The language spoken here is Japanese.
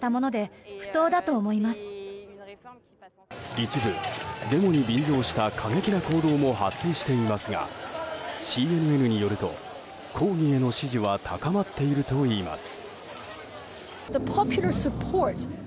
一部、デモに便乗した過激な行動も発生していますがＣＮＮによると抗議への支持は高まっているといいます。